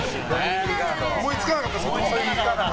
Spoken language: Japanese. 思いつかなかった。